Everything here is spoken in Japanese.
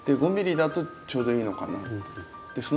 ５ｍｍだとちょうどいいのかなって。